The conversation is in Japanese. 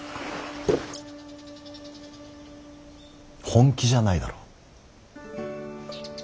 本気じゃないだろ。